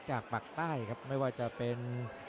ปากใต้ครับไม่ว่าจะเป็น